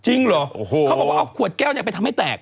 จริงเหรอเขาบอกว่าเอาขวดแก้วไปทำให้แตก